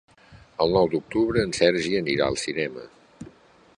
El nou d'octubre en Sergi anirà al cinema.